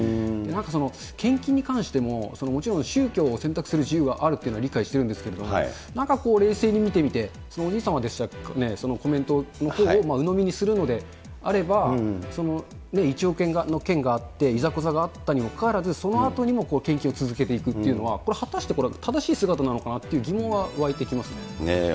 なんかその、献金に関しても、もちろん、宗教を選択する自由があるっていうのは理解してるんですけれども、なんかこう、冷静に見てみて、のコメントのほうをうのみにするのであれば、１億円の件があって、いざこざがあったにもかかわらず、そのあとにも献金を続けていくというのは、これ、果たしてこれ、正しい姿なのかなっていう疑問は湧いてきますね。